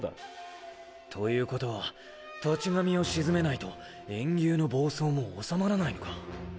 ということは土地神を鎮めないと炎牛の暴走もおさまらないのか。